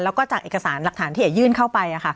แล้วก็จากเอกสารหลักฐานที่เอ๋ยื่นเข้าไป